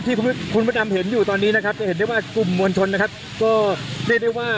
ทางกลุ่มมวลชนทะลุฟ้าทางกลุ่มมวลชนทะลุฟ้า